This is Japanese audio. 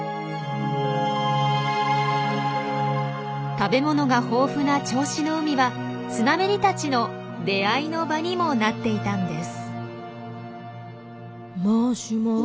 食べ物が豊富な銚子の海はスナメリたちの出会いの場にもなっていたんです。